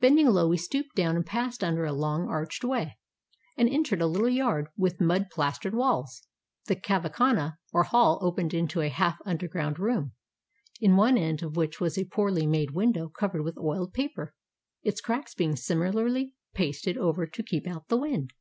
Bending low, we stooped down and passed under a long arched way, and entered a little yard with mud plas tered walls. The cahvakhana or hall opened into a half underground room, in one end of which was a poorly made window, covered with oiled paper, its cracks being similarly pasted over to keep out the wind.